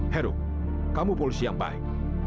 heru kamu polisi yang baik